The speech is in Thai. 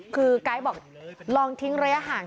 คือไก๊บอกลองทิ้งระยะห่าง